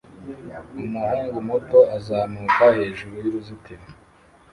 Umuhungu muto uzamuka hejuru y'uruzitiro